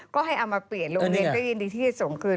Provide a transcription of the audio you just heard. ก็ให้เอามาเปลี่ยนโรงเรียนก็ยินดีที่จะส่งคืน